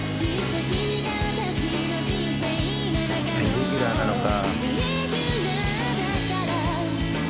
「イレギュラーなのか」